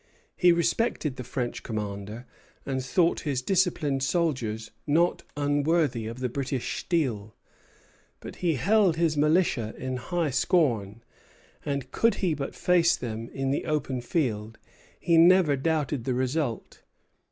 He respected the French commander, and thought his disciplined soldiers not unworthy of the British steel; but he held his militia in high scorn, and could he but face them in the open field, he never doubted the result.